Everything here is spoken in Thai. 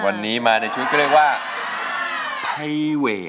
วันนี้มาในชีวิตก็เรียกว่าไทเวย์